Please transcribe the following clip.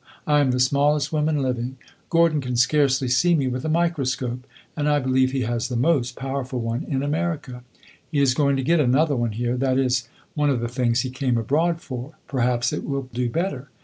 I am the smallest woman living; Gordon can scarcely see me with a microscope, and I believe he has the most powerful one in America. He is going to get another here; that is one of the things he came abroad for; perhaps it will do better.